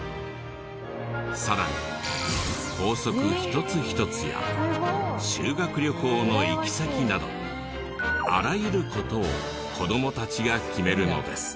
さらに校則一つ一つや修学旅行の行き先などあらゆる事を子どもたちが決めるのです。